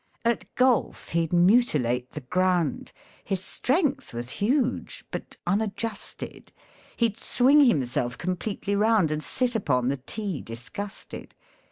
At golf he'd mutilate the ground, His strength was huge, but unadjusted ; He'd swing himself completely round, And sit upon the tee disgusted.